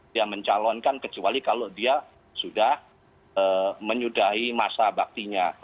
dia mencalonkan kecuali kalau dia sudah menyudahi masa baktinya